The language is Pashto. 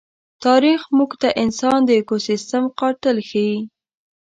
تاریخ موږ ته انسان د ایکوسېسټم قاتل ښيي.